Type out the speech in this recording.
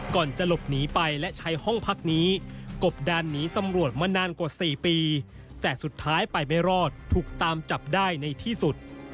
ก่อนจะหลบหนีไปและใช้ห้องพักนี้กบดานหนีตำรวจมานานกว่า๔ปีแต่สุดท้ายไปไม่รอดถูกตามจับได้ในที่สุด